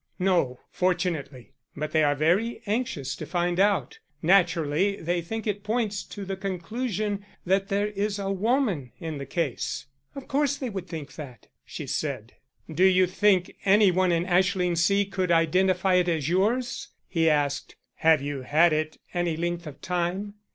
"No, fortunately. But they are very anxious to find out. Naturally they think it points to the conclusion that there is a woman in the case." "Of course they would think that," she said. "Do you think any one in Ashlingsea could identify it as yours?" he asked. "Have you had it any length of time?"